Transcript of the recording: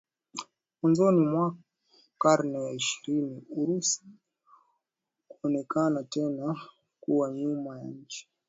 Mwanzoni mwa karne ya ishirini Urusi ukaonekana tena kuwa nyuma ya nch